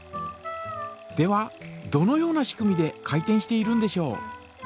ではどのような仕組みで回転しているんでしょう。